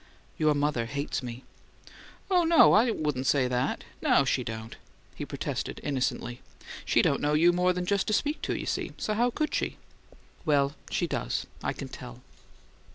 "Your mother hates me." "Oh, no; I wouldn't say that. No, she don't," he protested, innocently. "She don't know you more than just to speak to, you see. So how could she?" "Well, she does. I can tell."